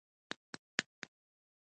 • واده د متقابل وفادارۍ تمثیل دی.